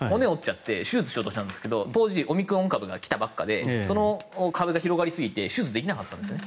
手術しようとしたんですけど当時、オミクロン株が来たばっかりでその株が広がりすぎて手術できなかったんですね。